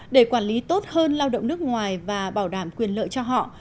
để quản lý tốt hơn lao động nước ngoài và bảo đảm quyền lợi cho họ